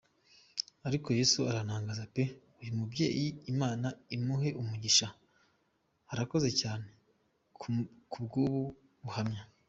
Ariko Yesu urantangaza pe! uyu mubyeyi Imana imuhe umugisha ! arakoze cyane kubwubu buhamya.